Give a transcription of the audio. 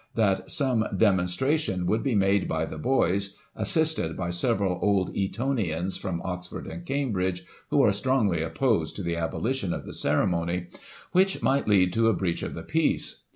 that some * demonstration * would be made by the boys, as sisted by several old Etonians from Oxford and Cambridge (who are strongly opposed to the abolition of the ceremony), which might lead to a breach of the peace.